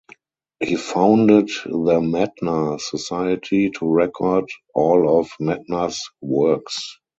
He founded the Medtner Society to record all of Medtner's works.